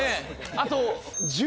あと。